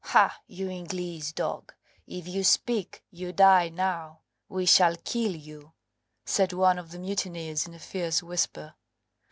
"Ha, you Ingleese dog! If you speak, you die now; we shall kill you," said one of the mutineers in a fierce whisper.